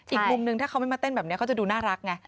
อีกมุมนึงถ้าเขาไม่มาเต้นแบบนี้เขาจะดูน่ารักไง